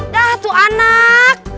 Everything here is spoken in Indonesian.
dah tuh anak